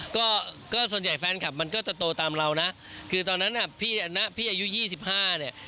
ก็ก็ส่วนใหญ่แฟนคลับมันก็จะโตตามเรานะคือตอนนั้นอ่ะพี่นะพี่อายุ๒๕เนี่ย